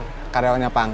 makin kareonya panger